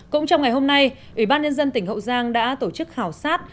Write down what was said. cũng trong ngày hôm nay ủy ban nhân dân tỉnh hậu giang đã tổ chức khảo sát